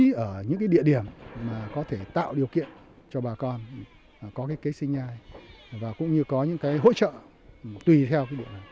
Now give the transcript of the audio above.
một là bố trí ở những địa điểm mà có thể tạo điều kiện cho bà con có cái kế sinh nhai và cũng như có những hỗ trợ tùy theo